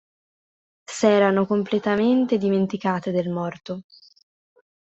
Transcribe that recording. S'erano completamente dimenticate del morto.